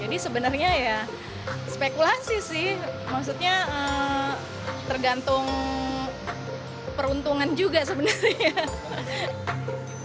jadi sebenarnya ya spekulasi sih maksudnya tergantung peruntungan juga sebenarnya